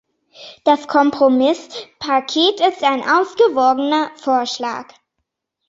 Das Kompromisspaket ist ein ausgewogener Vorschlag.